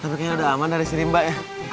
tapi kayaknya udah aman dari si rimba ya